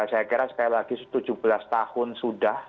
saya kira sekali lagi tujuh belas tahun sudah